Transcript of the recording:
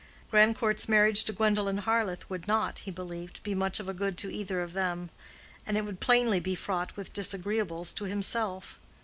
Grandcourt's marriage to Gwendolen Harleth would not, he believed, be much of a good to either of them, and it would plainly be fraught with disagreeables to himself.